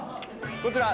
こちら。